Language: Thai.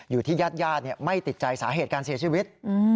อยู่ที่ญาติญาติไม่ติดใจสาเหตุการเสียชีวิต